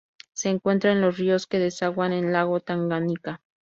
Se encuentra en los ríos que desaguan en el lago Tanganika.